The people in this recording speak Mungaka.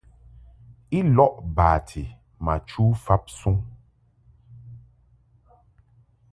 I lɔʼ bati ma chu fabsuŋ.